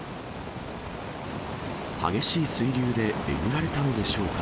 激しい水流でえぐられたのでしょうか。